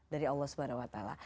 dari allah swt